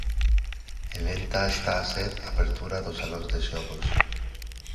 E lenta está a ser a apertura dos salóns de xogos.